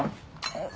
えっ？